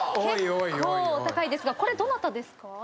結構高いですがどなたですか？